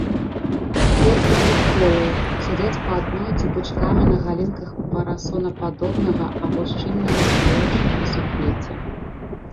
Кветкі двухполыя, сядзяць па адной ці пучкамі на галінках парасонападобнага або шчыльнага галоўчатага суквецця.